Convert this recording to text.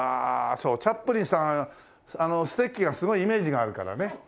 そうチャップリンさんステッキがすごいイメージがあるからね。